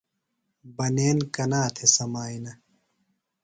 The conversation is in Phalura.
بنین کنا تھےۡ سمِیانہ؟